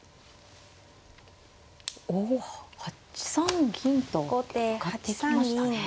お８三銀と上がっていきましたね。